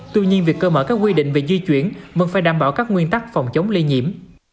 tuy nhiên việc cơ mở các quy định về di chuyển vẫn phải đảm bảo các nguyên tắc phòng chống lây nhiễm